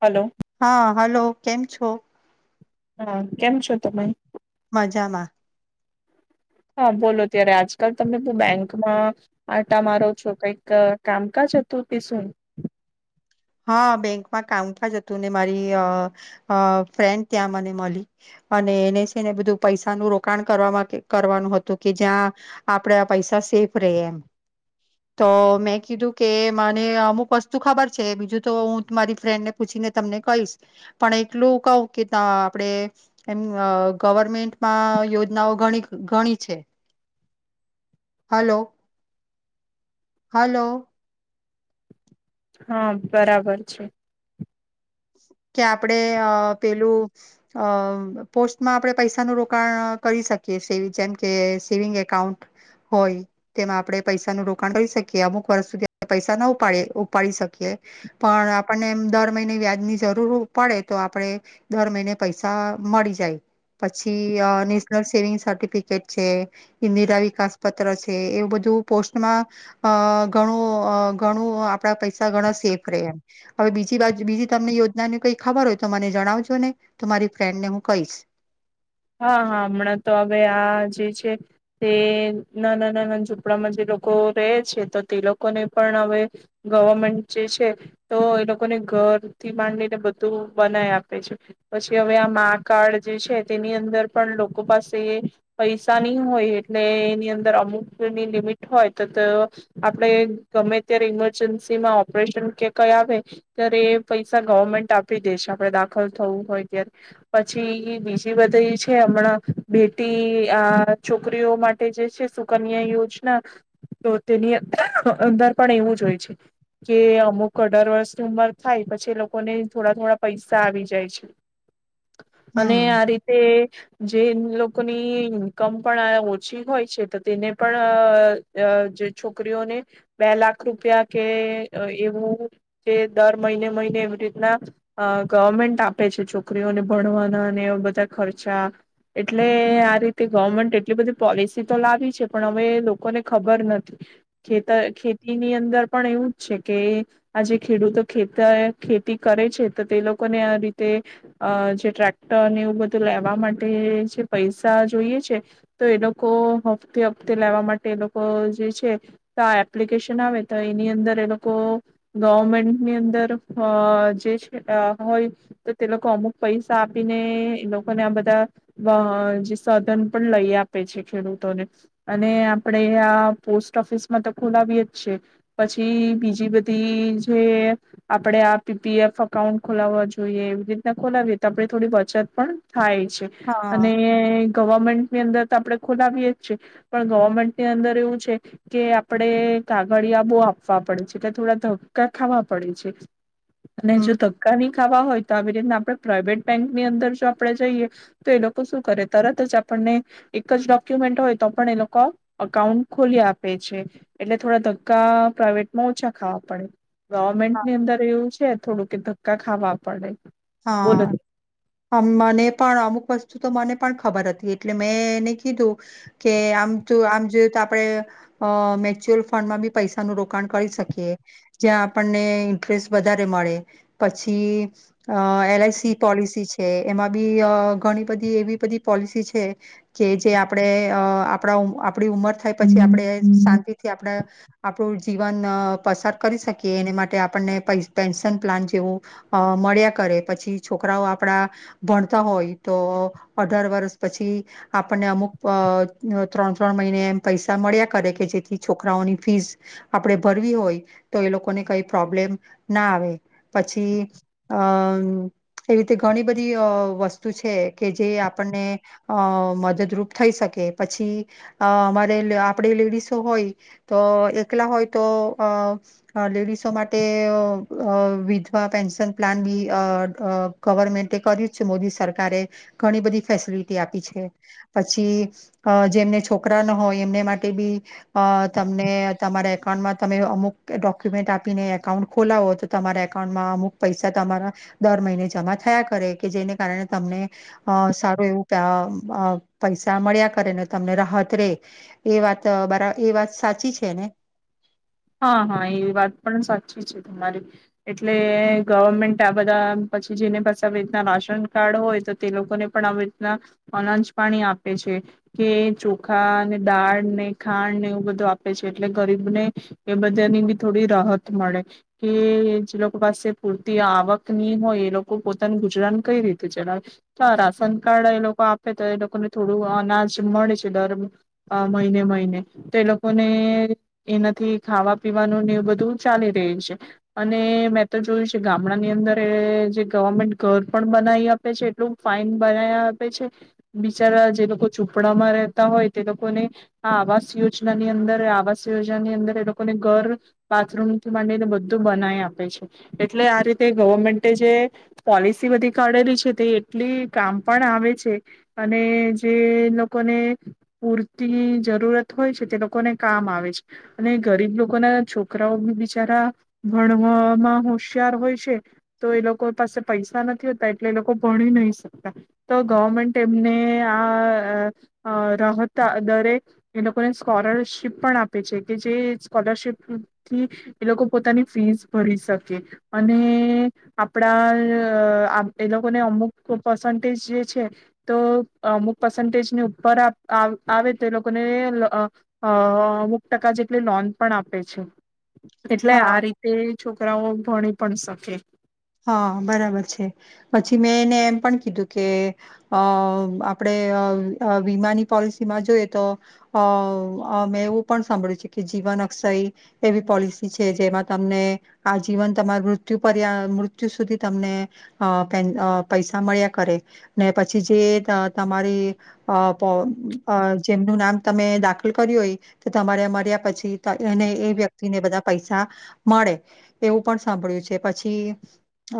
Hello હા, hello કેમ છો? હા, કેમ છો તમે મજામાં હા બોલો ત્યારે આજકાલ તમે બહ બેંકમાં આટા મારો છો કઈક કામકાજ હતું તે શું હા, બેંકમાં કામકાજ હતું ને મારી ફ્રેન્ડ ત્યાં મને મળી અને એને છે ને બધું પૈસાનું રોકાણ કરવા કરવાનું હતું કે જ્યાં આપડે આ પૈસા સેફ રે એમ તો મેં કીધું કે મને અમુક વસ્તુ ખબર છે બીજું તો હું મારી ફ્રેન્ડને પૂછીને તમને કહીશ પણ એટલું કહુ કે તા આપડે આપે એમ ગવર્મેન્ટમાં યોજનાઓ ગણી છે, હલો, હલો હા બરાબર છે કે આપણે પેલું પોસ્ટમાં આપણે પૈસાનું રોકાણ કરી શકીએ સે જેમ કે સેવિંગ એકાઉન્ટ હોય તેમાં આપણે પૈસાનું રોકાણ કરી શકીએ અમુક વર્ષ સુધી આપણે પૈસા ના ઉપડી ઉપાડી શકીએ પણ આપણને દર મહિને વ્યાજ ની જરૂર પડે તો આપે દર મહિને પૈસા મળી જાય પછી, નેશનલ સેવિંગ સર્ટિફિકેટ છે ઈન્દિરા વિકાસ પત્ર છે, એવું બધું પોસ્ટમાં ગણું ઘણું આપણા પૈસા ગણા સેફ ર એમ હવે બી બાજ બ તમને યોજનાની કઈ ખબર હોય તો મને જણાવજો ને તો મારી ફ્રેન્ડને હું કહીશ હા, હા, હમણાં તો હવે આ જે છે તે નાના નાના ઝૂંપડામાં જે લોકો રહે છે તો તે લોકોને પણ હવે ગવર્મેન્ટ જે છે તો એ લોકોને ઘરથી માંડીને બધું બનાય આપે છે પછી હવે આ મા કળ જે છે તેની અંદર પણ લોકો પાસે પૈસા નહી હોય એટલે એની અંદર અમુકની લિમિટ હોય તો આપણે ગમે ત્યારે ઈમરજન્સીમાં ઓપરેશન કે કઈ આવે ત્યારે એ પૈસા ગવર્મેન્ટ આપી દે છે આપણે દાખલ થવું હોય ત્યારે પછી બ વધી છે હમણાં બેટી આ છોકરીઓ માટે જે છે સુકન્યા યોજના તો તેની અંદર પણ એવું જ હોય છે કે અમુક અઢાર વર્ષની ઉંમર થાય પછી એ લોકોને થોડા થોડા પૈસા આવી જાય છે અને હમ આ રીતે કે જે લોકોની ઇન્કમ પણ ઓછી હોય છે તો તેને પણ જે છોકરીઓને બે લાખ રૂપિયા કે એવું કે દર મહિને, મહિને એવી રીતના ગવર્મેન્ટ આપે છે છોકરીઓને ભણવાના અને એ બધા ખર્ચા એટલે આ રીતે ગવર્મેન્ટ એટલી બધી પોલિસી તો લાવી છે પણ હવે લોકોને ખબર નથી ખેતર ખેતીની અંદર પણ એવું જ છે કે આ જે ખેડૂતો ખેતર ખેતી કરે છે તો તે લોકોને આ રીતે અ જે ટ્રેક્ટરને એવું બધું તો લેવા માટે જે પૈસા જોઈએ છે તો એ લોકો હપ્તે હપ્તે લેવા માટે એ લોકો જે છે એપ્લિકેશન આવે તો એની અંદર એ લોકો ગવર્મેન્ટની અંદર જે છે હોય તો તે લોકો અમુક પૈસા આપીને એ લોકો આ બધા જે સાધન પણ લઈ આપે છે ખેડૂતોને અને આપણેે આ પોસ્ટ ઓફિસમાં તો ખોલાવીએ જ છે પછી બીજી બધી જે આપણે આ પીપીએફ એકાઉન્ટ ખોલાવા જોઈએ એવી રીતના ખોલાવીએ તો આપણે થોડી બચત પણ થાય છે હા અને ગવર્મેન્ટ ની અંદર તો આપણે ખોલાવીએ જ છે પણ ગવર્મેન્ટની અંદર એવું છે કે આપડે કાગડિયા બહુ આપવા પડે છે એટલે થોડા ધક્કા ખાવા પડે છે. અને હમ જો ધક્કાની ખાવા હોય તો આવી રીતના આપણે પ્રાઇવેટ બેંક ની અંદર જોબ આપણે જઈએ તો એ લોકો શું કરે તરત જ આપણને એક જ ડોક્યુમેન્ટ હોય તો પણ એ લોકો અકાઉન્ટ ખોલી આપે છે. એટલે થોડા ધક્કા પ્રાઇવેટમાં ઓછા ખાવા પડે. ગવર્મેન્ટની અંદર એવું છે થોડું કે ધક્કા ખાવા પડે. બોલો હા હમા ને પણ અમુક વસ્તુ તો મને પણ ખબર હતી એટલે મેં એને કીધું કે આમ તો આમ જોયું તો આપણે અ મ્યચ્યુઅલ ફંડમાં બી પૈસાનું રોકાણ કરી શકીએ જ્યાં આપણને ઇન્ટરેસ્ટ વધારે મળે પછી અ એલઆઈસી પોલિસી છે એમાં બી અ ઘણી બધી એવી બધી પોલિસી છે કે જે આપણે અ આપણા આપણી ઉંમર થાય પછી આપણે શાંતિથી આપણે આપણું જીવન અ પસાર કરી શકીએ એને માટે આપણને પ પેન્શન પ્લાન અ જેવું મળ્યા કરે પછી છોકરાઓ આપડા ભણતા હોય તો અઢાર વર્ષ પછી આપણને અમુક અ ત્રણ-ત્રણ મહિને એમ પૈસા મળ્યા કરે કે જેથી છોકરાઓની ફીસ આપણેે ભરવી હોય તો એ લોકોને કઈ પ્રોબ્લેમ ના આવે પછી અ એવી રીતે ઘણી બધી અ વસ્તુ છે કે જે આપણને અ મદદરૂપ થઈ શકે પછી અ અમારે આપણે લેડીસો હોય તો એકલા હોય તો અ લેડીસો માટે અ વિધવા પેન્શન પ્લાન બી અ ગવર્મેન્ટે કર્યું જ છે મોદી સરકારે ઘણી બધી ફેસિલિટી આપી છે પછી અ જેમને છોકરા ન હોય એમને માટે બી અ તમને તમારા એકાઉન્ટમાં તમે અમુક ડોક્યુમેન્ટ આપીને એકાઉન્ટ ખોલાવો તો તમારા એકાઉન્ટમાં અમુક પૈસા તમારા દર મહિને જમા થયા કરે કે જેને કારણે તમને અ સારું એવું અ પૈસા મળ્યા કરે ને તમને રાહત રે એ વાત બરા એ વાત સાચી છે ને. હા હા એ વાત પણ સાચી છે તમારી. એટલે ગવર્મેન્ટ આ બધા પછી જેને પાસે આવી રીતના રાશન કાર્ડ હોય તો તે લોકોને પણ આવી રીતના અનાંજ પાણી આપે છે કે ચોખા ને દાળ ને ખાંડ ને એવું બધું આપે છે એટલે ગરીબને એ બધાની બી થોડી રાહત મળે કે જે લોકો પાસે પૂરતી આવક ની હોય એ લોકો પોતાનું ગુજરાન કઈ રીતે ચલાવે તો રાશન કાર્ડ એ લોકો આપે તો એ લોકોને થોડું અનાજ મળે છે દર મહિને મહિને તો એ લોકોને એનાથી ખાવા પીવાનું ને એવું બધું ચાલી રેય છે અને મેં તો જોયું છે ગામડાની અંદર જે ગવર્મેન્ટ ઘર પણ બનાવી આપે છે એટલું ફાઈન બનાવી આપે છે બિચારા જે લોકો ઝુપડામાં રહેતા હોય તે લોકોને આ આવાસ યોજના ની અંદર આવાસ યોજનાની અંદર એ લોકો ઘર બાથરૂમથી માંડીને બધું બનાય આપે છે એટલે આ રીતે ગવર્મેન્ટે જે પોલિસી બધી કાઢેલી છે તે એટલી કામ પણ આવે છે અને જે લોકોને પૂરતી જરૂરત હોય છે તે લોકોને કામ આવે છે અને ગરીબ લોકોના છોકરાઓ બિચારા ભણવામાં હોશિયાર હોય છે. તો એ લોકો પાસે પૈસા નથી હોતા એટલે એ લોકો ભણી નહી શકતા તો ગવર્મેન્ટ એમને આ રાહતા દરે એ લોકોને સ્કોલરશીપ પણ આપે છે કે જે સ્કોલરશિપ થી એ લોકો પોતાની ફીસ ભરી શકે. અને આપડા અ આપ એ લોકોને અમુક પર્સન્ટેજ જે છે તો અમુક પર્સન્ટેજને ઉપર આપ આવે તો એ લોકોને અ અમુક ટકા જે ને લોન પણ આપે છે એટલે હા આ રીતે છોકરી છોકરાઓ ભણી પણ શકે હા, બરાબર છે પછી મેં એને એમ પણ કીધું કે અ આપણેે વીમાની પોલિસીમાં જોઈએ તો અ મેં એવું પણ સાંભળ્યું છે કે જીવન અક્ષય એવી પોલિસી છે જેમાં તમને આ જીવન તમાર મૃત્યુ પર્યાય સુધી તમને પૈસા મળ્યા કરે ને પછી જે તમારી જેમનું નામ તમે દાખલ કર્યું હોય તો તમારે મળ્યા પછી એને એ વ્યક્તિને બધા પૈસા મળે એવું પણ સાંભળ્યું છે પછી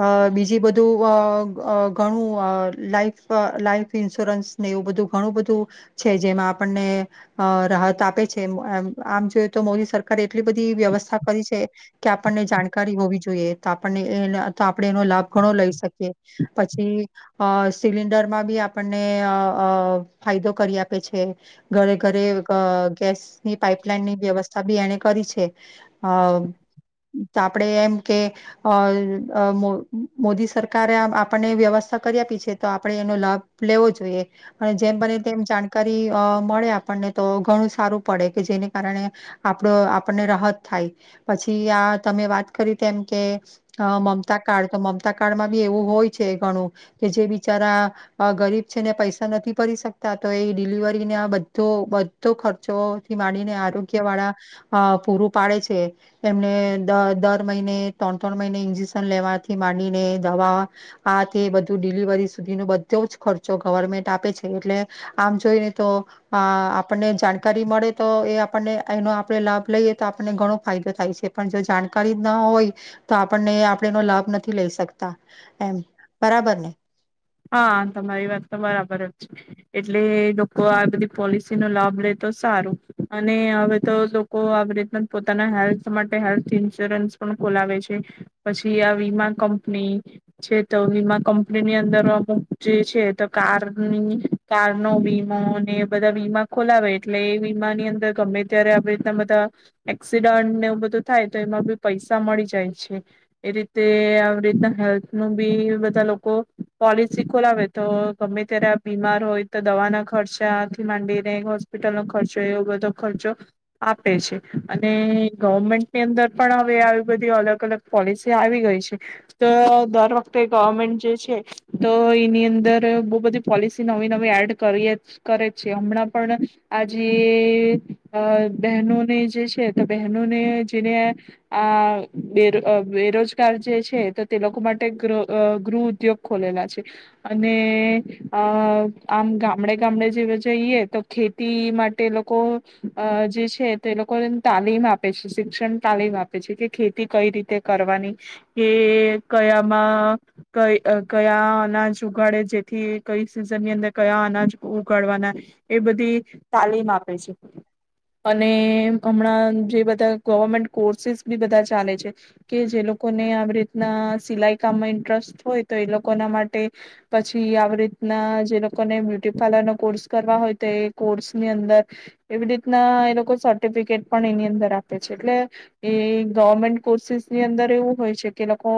અ બીજી બધું અ ઘણું લાઈફ લાાઈફ ઇન્સ્યોરન્સ ને એવું બધું ઘણું બધું છે જેમાં આપણને અ રાહત આપે છે આમ જોઈએ તો મોદી સરકારે એટલી બધી વ્યવસ્થા કરી છે કે આપણને જાણકારી હોવી જોઈએ તો આપણને એ તો આપણે એનો લાભ ઘણો લઈ શકીએ પછી અ સિલિન્ડરમાં બી આપણને ફાયદો કરી આપે છે ઘરે ઘરે ગેસની પાઈપલાઈનની વ્યવસ્થા બી એણે કરી છે અ તો આપણે એમ કે અ અ મો મોદી સરકારે આ આપણને વ્યવસ્થા કરી આપ પી છે તો આપણે એનો લાભ લેવો જોઈએ અને જેમ બને તેમ જાણકારી મળે આપણને તો ઘણું સારું પડે કે જેને કારણે આપડો આપણને રાહત થાય પછી આ તમે વાત કરી તેમ કે અ મમતા કાર્ડ તો મમતા કાર્ડમાં બી એવું હોય છે ઘણું કે જે બિચારા ગરીબ છે ને પૈસા નથી ભરી શકતા તો એ ડિલિવરીને બધો બધો ખર્ચોથી માંડીને આરોગ્ય વાળા પૂરું પાડે છે એમને દર મહિને ત્રણ, ત્રણ મહિને ઇન્જે લેવાથી માંડીને દવા આ તે બધું ડીલિવરી સુધીનો બધો જ ખર્ચો ગવર્મેન્ટ આપે છે એટલે આમ જોઈને તો આ આપણને જાણકારી મળે તો એ આપણને એનો આપણે લાભ લઈએ તો આપણને ઘણો ફાયદો થાય છે પણ જો જાણકારી ના હોય તો આપણને આપ ન લાભ નથી લઈ શકતા એમ બરાબર ને હા તમારી વાત તો બરાબર જ એટલે લોકો આ બધી પોલિસી નો લાભ લે તો સારું અને હવે તો લોકો આવી રીતના પોતાના હેલ્થ માટે હેલ્થ ઇન્સ્યોરન્સ પણ ખોલાવે છે પછી આ વીમા કંપની છે તો વીમા કંપનીની અંદર જે છે તો કારની કારનો વીમો ને બધા વીમા ખોલાવે એટલે એ વીમાની અંદર ગમે ત્યારે આવી રીતના બધા એક્સિડન્ટનેવ બધું થાય તો એમાં બી પૈસા મળી જાય છે એ રીતે આવી રીતના હેલ્થ નું બી બધા લોકો પોલિસી ખોલાવે તો ગમે ત્યારે બીમાર હોય તો દવાના ખર્ચાથી માંડીને હોસ્પિટલનો ખર્ચોય એવો બધો ખર્ચો આપે છે અને ગવર્મેન્ટની અંદર પણ હવે આવી બધી અલગ અલગ પોલિસી આવી ગઈ છે તો દર વખતે ગવર્મેન્ટ જે છે તો એની અંદર બહુ બધી પોલિસી નવી નવી એડ કરીએ કરે છે હમણાં પણ આ જે બહેનોને જે છે તો બહેનોને જેને આ બે બેરોજગાર જે છે તો તે લોકો માટે ગૃહ ઉદ્યોગ ખોલેલા છે અને અ આમ ગામડે ગામડે જે જઈએ તો ખેતી માટે લોકો જે છે તે લોકોને તાલીમ આપે છે શિક્ષણ તાલીમ આપે છે કે ખેતી કઈ રીતે કરવાની કે કયામાં કઈ કયા અનાજ ઉગાડે જેથી કઈ સિઝનની અંદર કયા અનાજ ઉગાડવાના એ બધી તાલીમ આપે છે અને હમણાં જે બધા ગવર્મેન્ટ કોર્સસીસ બી બધા ચાલે છે કે જે લોકોને આવી રીતના સિલાઈ કામમાં ઇન્ટરેસ્ટ હોય તો એ લોકોના માટે પછી આવી રીતના જે લોકોને બ્યુટી પાર્લરનો કોર્સ કરવા હોય તો એ કોર્સ ની અંદર. [inaudible] એવી રીતના એ લોકો સર્ટિફિકેટ પણ એની અંદર આપે છે એટલે એ ગવર્મેન્ટ કોર્સિસની અંદર એવું હોય છે કે લોકો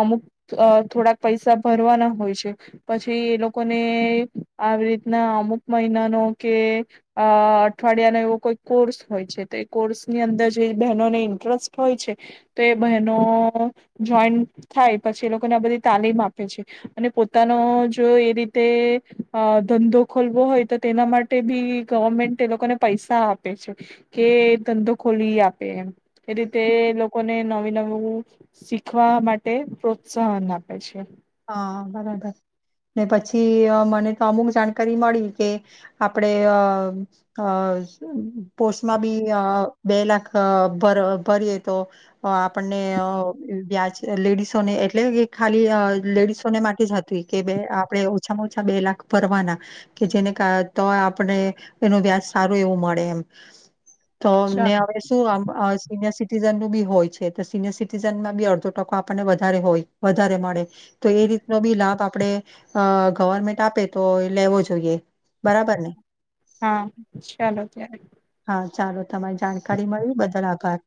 અમુક અ થોડાક પૈસા ભરવાના હોય છે પછી એ લોકોને આવી રીતના અમુક મહિનાનો કે અ અઠવાડિયા નો એવો કોઈ કોર્સ હોય છે તો એ કોર્સ ની અંદર જે બહેનોને ઇન્ટરેસ્ટ હોય છે તો એ બહેનો જોઈન્ટ થાય પછી એ લોકોને આ બધી તાલીમ આપે છે અને પોતાનો જો એ રીતે અ ધંધો ખોલવો હોય તો તેના માટે બી ગવર્મેન્ટ એ લોકોને પૈસા આપે છે કે ધંધો ખોલી આપે એમ એ રીતે લોકોને નવી નવું શીખવા માટે પ્રોત્સાહન આપે. [inaudible] હા બરાબર ને પછી અ મને તો અમુક જાણકારી મળી કે આપડે અ અ પોસ્ટમાં બી અ બે લાખ ભ ભરીએ તો આપણને વ્યાજ લેડીસોને એટલે કે ખાલી અ લેડીસોને માટે જ હતી કે આપણે ઓછામાં ઓછા બે લાખ ભરવાના કે જેને કાર તો આપણે એનું વ્યાજ સારું એવું મળે એમ. તો અમને ચાલો હવે શું આમ અસ સિનિયર સિટીઝનનું બી હોય છે તો સિનિયર સિટીઝનમાં બી અડધો ટકો આપણને વધારે હોય વધારે મળે. તો એ રીતનો બી લાભ આપડે અ ગવર્મેન્ટ આપે તો લેવો જોઈએ બરાબર ને. હા ચાલો ત્યારે. હા ચાલો તમારી જાણકારી મળી એ બધલ આભાર.